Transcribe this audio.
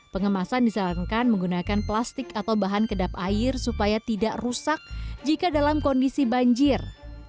pengemasan disarankan menggunakan plastik atau bahan kedap air supaya tidak rusak jika dalam kondisi banjir